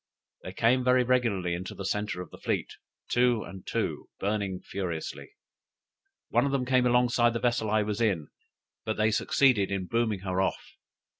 They came very regularly into the centre of the fleet, two and two, burning furiously; one of them came alongside of the vessel I was in, but they succeeded in booming her off.